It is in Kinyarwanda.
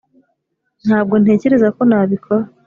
ntabwo ntekereza ko nabikora